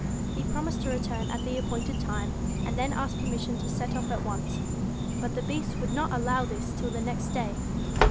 He promised to return at the appointed time, and then asked permission to set off at once. But the Beast would not allow this till the next day.